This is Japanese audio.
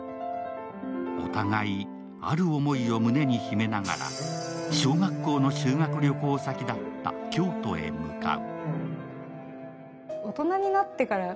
お互い、ある思いを胸に秘めながら小学校の修学旅行先だった京都へ向かう。